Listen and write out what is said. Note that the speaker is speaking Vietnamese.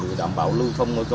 để đảm bảo lưu thông